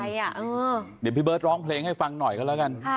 เดี๋ยวพี่เบิร์ตร้องเพลงให้ฟังหน่อยกันแล้วกัน